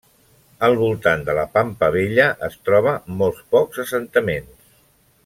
Al voltant de la Pampa Bella es troba molt pocs assentaments.